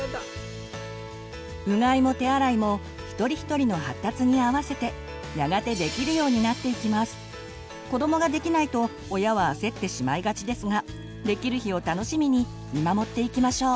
うがいも手洗いも一人一人の発達に合わせて子どもができないと親は焦ってしまいがちですができる日を楽しみに見守っていきましょう。